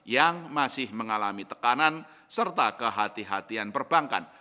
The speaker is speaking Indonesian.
yang masih mengalami tekanan serta kehatian perbankan